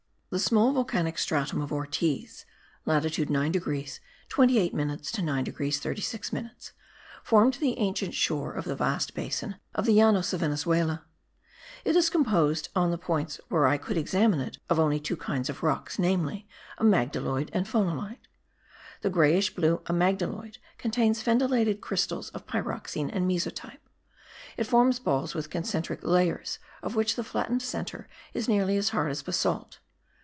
The small volcanic stratum of Ortiz (latitude 9 degrees 28 minutes to 9 degrees 36 minutes) formed the ancient shore of the vast basin of the Llanos of Venezuela: it is composed on the points where I could examine it of only two kinds of rocks, namely, amygdaloid and phonolite. The greyish blue amygdaloid contains fendilated crystals of pyroxene and mesotype. It forms balls with concentric layers of which the flattened centre is nearly as hard as basalt.